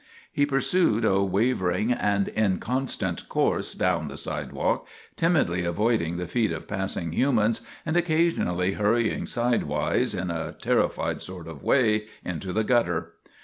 He pursued a wavering and inconstant course down the sidewalk, timidly avoiding the feet of pass ing humans, and occasionally hurrying sidewise, in a terrified sort of way, into the gutter.